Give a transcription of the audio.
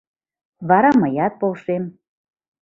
— Вара мыят полшем.